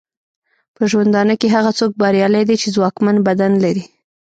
په ژوندانه کې هغه څوک بریالی دی چې ځواکمن بدن لري.